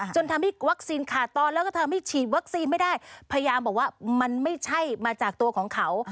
จนทำให้วัคซีนขาดตอนแล้วก็ทำให้ฉีดวัคซีนไม่ได้พยายามบอกว่ามันไม่ใช่มาจากตัวของเขา